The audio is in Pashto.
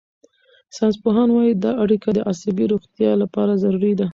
ساینسپوهان وايي دا اړیکه د عصبي روغتیا لپاره ضروري ده.